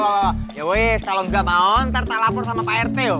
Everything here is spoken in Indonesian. oh ya woy kalau gak mau ntar aku lapor sama pak rt